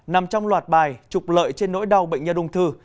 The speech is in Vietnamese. nằm trong loạt bài trục lợi trên nỗi đau bệnh nhân ung thư